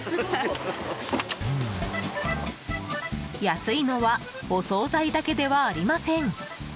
安いのはお総菜だけではありません。